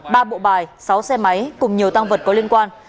ba bộ bài sáu xe máy cùng nhiều tăng vật có liên quan